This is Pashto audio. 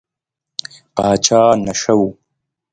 پاچا نشه و.